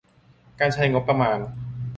การใช้งบประมาณ